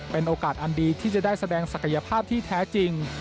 เป็นโอกาสอันดีที่จะได้แสดงศักยภาพที่แท้จริง